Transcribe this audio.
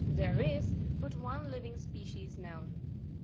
There is® but one living yyy, species known.